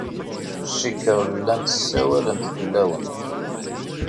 Cikkeɣ llant ssawalent fell-awen.